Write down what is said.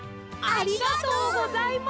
ありがとうございます！